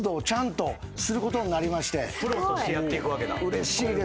うれしいですよね。